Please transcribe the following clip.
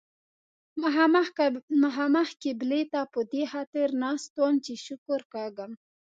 مخامخ قبلې ته په دې خاطر ناست وم چې شکر کاږم.